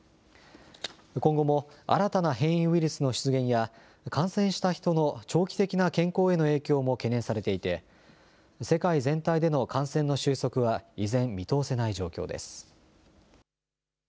今後も新たな変異ウイルスの出現や感染した人の長期的な健康への影響も懸念されていて世界全体での感染の収束は依然、見通せない状況です。